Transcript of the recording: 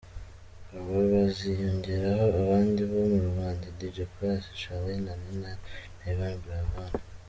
Aba baziyongeraho abandi bo mu Rwanda Dj Pius, Charly & Nina na Yvan Buravan.